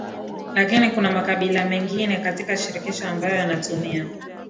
lakini kuna makabila mengine katika shirikisho ambayo yanatumia